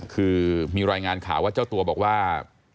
คือมีรายงานข่าวว่าเจ้าตัวบอกว่า